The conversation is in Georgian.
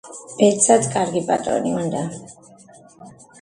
ბედსაც კარგი პატრონი უნდა